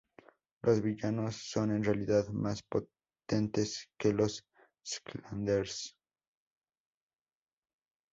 Los villanos son en realidad más potentes que los Skylanders.